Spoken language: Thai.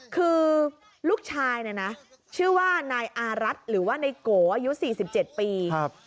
คือลูกชายเนี่ยนะชื่อว่านายอารัฐหรือว่านายโกอายุ๔๗ปี